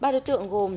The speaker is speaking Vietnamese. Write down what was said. ba đối tượng gồm